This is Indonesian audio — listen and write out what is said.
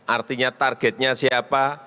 artinya targetnya siapa